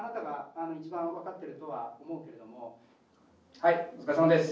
・はいお疲れさまです。